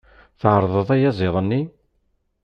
Tɛerḍeḍ ayaziḍ-nni?